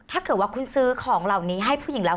ถ้าเกิดว่าคุณซื้อของเหล่านี้ให้ผู้หญิงแล้ว